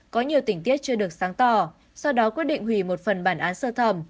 có nhiều tỉnh tiết chưa được sáng tỏ sau đó quyết định hủy một phần bản án sơ thẩm